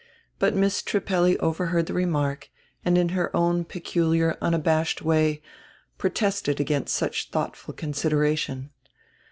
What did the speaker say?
But Miss Trip pelli overheard the remark and, in her own peculiar unabashed way, protested against such thoughtful con sideration.